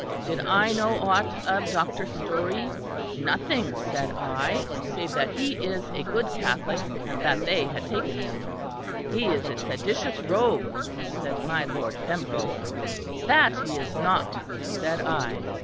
Did I know ought of Dr. Storey? Nothing, said I, save that he is a good Catholic, and that they had taken him. He is a seditious rogue, said my Lord Pembroke. That he is not, said I.